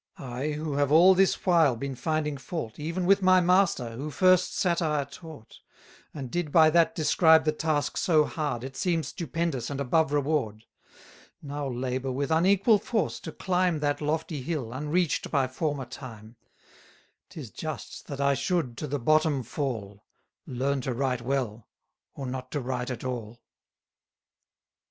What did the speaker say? I, who have all this while been finding fault, Even with my master, who first satire taught; And did by that describe the task so hard, It seems stupendous and above reward; Now labour with unequal force to climb That lofty hill, unreach'd by former time; 'Tis just that I should to the bottom fall, 280 Learn to write well, or not to write at all.